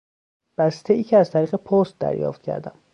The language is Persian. بستهای که از طریق پست دریافت کردم